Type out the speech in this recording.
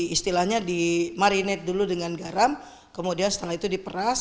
istilahnya dimarinet dulu dengan garam kemudian setelah itu diperas